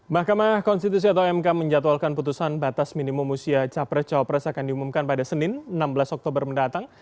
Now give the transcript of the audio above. mahkamah konstitusi atau mk menjatuhkan putusan batas minimum usia capres cawapres akan diumumkan pada senin enam belas oktober mendatang